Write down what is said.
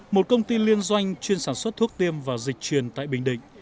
một công ty liên doanh chuyên sản xuất thuốc tiêm và dịch truyền tại bình định